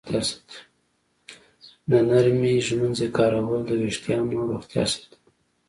د نرمې ږمنځې کارول د ویښتانو روغتیا ساتي.